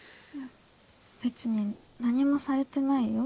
別に何もされてないよ